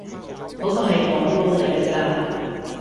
嗰個係廣告嚟㗎咋